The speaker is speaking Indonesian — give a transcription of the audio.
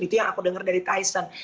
itu yang aku dengar dari thailand